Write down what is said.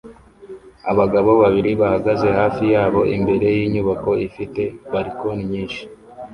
Abagabo babiri bahagaze hafi yabo imbere yinyubako ifite balkoni nyinshi